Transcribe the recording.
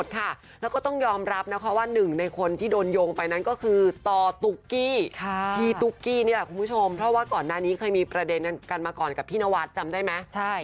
ต่อตุ๊กกี้พี่ตุ๊กกี้นี่แหละคุณผู้ชมเพราะว่าก่อนหน้านี้เคยมีประเด็นกันมาก่อนกับพี่นวัดจำได้ไหม